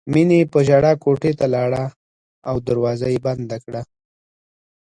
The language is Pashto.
مینې په ژړا کوټې ته لاړه او دروازه یې بنده کړه